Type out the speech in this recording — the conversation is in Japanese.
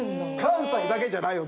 関西だけじゃないよ。